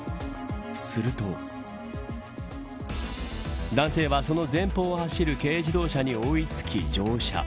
すると男性はその前方を走る軽自動車に追いつき乗車。